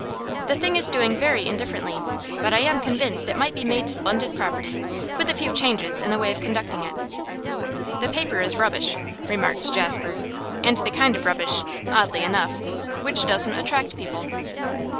The thing is doing very indifferently, but I am convinced it might be made splendid property, with a few changes in the way of conducting it.' 'The paper is rubbish,' remarked Jasper, 'and the kind of rubbish oddly enough which doesn't attract people.